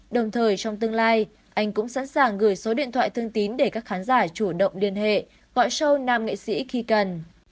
đồng thời trong tương lai anh cũng sẵn sàng gửi số điện thoại thông tin để các khán giả chủ động liên hệ gọi sâu nam nghệ sĩ khi cần